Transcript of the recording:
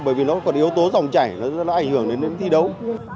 bởi vì nó còn yếu tố dòng chảy nó ảnh hưởng đến thi đấu